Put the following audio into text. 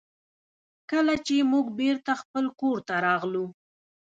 کله چې موږ بېرته خپل کور ته راغلو.